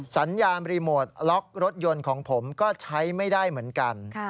สัญญาณรีโมทล็อกรถยนต์ของผมก็ใช้ไม่ได้เหมือนกัน